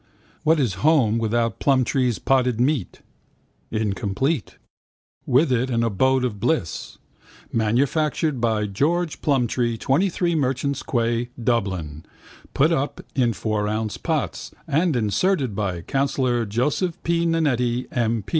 What is home without Plumtree's Potted Meat? Incomplete. With it an abode of bliss. Manufactured by George Plumtree, 23 Merchants' quay, Dublin, put up in 4 oz pots, and inserted by Councillor Joseph P. Nannetti, M.